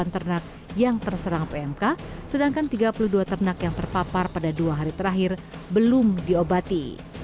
delapan ternak yang terserang pmk sedangkan tiga puluh dua ternak yang terpapar pada dua hari terakhir belum diobati